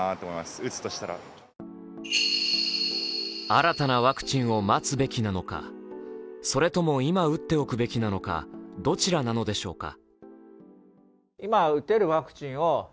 新たなワクチンを待つべきなのかそれとも今打っておくべきなのかどちらなのでしょうか。